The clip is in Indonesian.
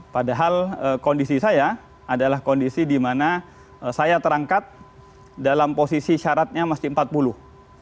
padahal kondisi saya adalah kondisi di mana saya terangkat dalam posisi syaratnya masih empat puluh